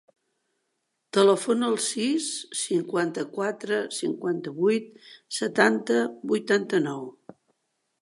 Telefona al sis, cinquanta-quatre, cinquanta-vuit, setanta, vuitanta-nou.